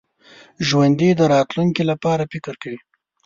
ژوندي د راتلونکي لپاره فکر کوي